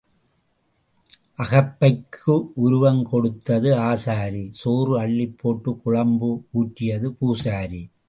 அகப்பைக்கு உருவம் கொடுத்தது ஆசாரி சோறு அள்ளிப் போட்டுக் குழம்பு ஊற்றியது பூசாரி.